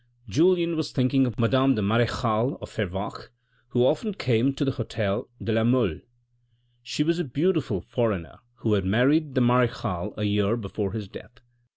Julien was thinking of madame the marechale de Fervaques who often came to the h6tel de la Mole. She was a beautiful foreigner who had married the marechal a year before his death.